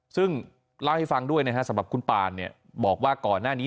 ซึ่งเล่าให้ฟังด้วยนะฮะสำหรับคุณปานบอกว่าก่อนหน้านี้